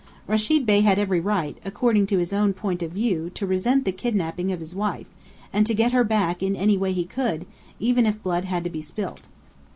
Rechid Bey had every right, according to his own point of view, to resent the kidnapping of his wife, and to get her back in any way he could, even if blood had to be spilt.